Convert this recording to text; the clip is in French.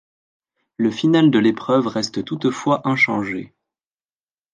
Le final de l'épreuve reste toutefois inchangé.